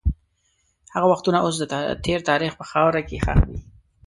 هغه وختونه اوس د تېر تاریخ په خاوره کې ښخ دي.